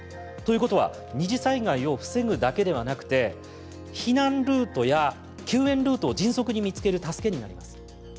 ということは二次災害を防ぐだけではなくて避難ルートや救援ルートを迅速に見つける助けになります。